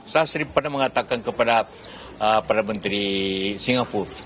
saya sering pernah mengatakan kepada para menteri singapura